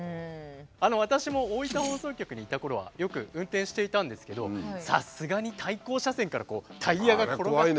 私も大分放送局にいたころはよく運転していたんですけどさすがに対向車線からタイヤが転がって。